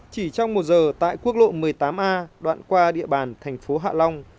chỉ trong một giờ tại quốc lộ một mươi tám a đoạn qua địa bàn thành phố hạ long